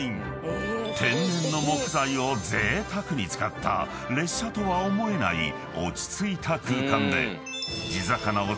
［天然の木材をぜいたくに使った列車とは思えない落ち着いた空間で］